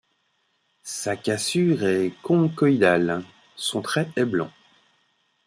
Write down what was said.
Sa cassure est conchoïdale, son trait est blanc.